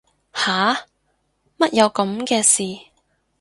吓乜有噉嘅事